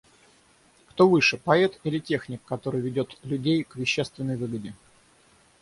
Кто выше – поэт или техник, который ведет людей к вещественной выгоде?